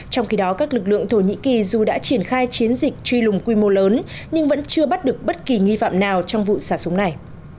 trong khi đó các lực lượng thổ nhĩ kỳ dù đã triển khai chiến dịch truy lùng quy mô lớn nhưng vẫn chưa bắt được bất kỳ nghi phạm nào trong vụ xả súng này